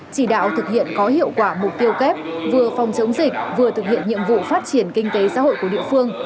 chỉ đạo thực hiện có hiệu quả mục tiêu kép vừa phòng chống dịch vừa thực hiện nhiệm vụ phát triển kinh tế xã hội của địa phương